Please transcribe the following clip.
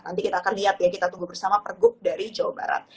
nanti kita akan lihat ya kita tunggu bersama pergub dari jawa barat